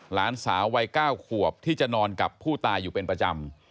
หลานสาววัย๙ขวบที่จะนอนกับผู้ตายอยู่เป็นประจำ